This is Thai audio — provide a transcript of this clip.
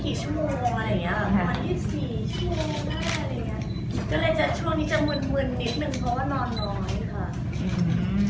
ก็เลยช่วงนี้จะมือลนิดนึงเพราะว่านอนน้อยค่ะ